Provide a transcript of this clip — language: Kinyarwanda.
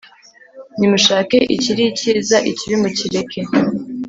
Nimushake ikiri icyiza, ikibi mukireke,